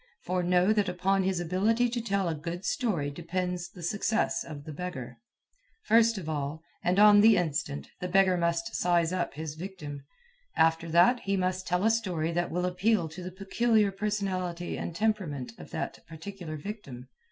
For know that upon his ability to tell a good story depends the success of the beggar. First of all, and on the instant, the beggar must "size up" his victim. After that, he must tell a story that will appeal to the peculiar personality and temperament of that particular victim.